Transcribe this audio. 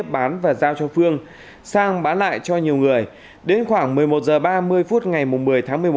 bán và giao cho phương sang bán lại cho nhiều người đến khoảng một mươi một h ba mươi phút ngày một mươi tháng một mươi một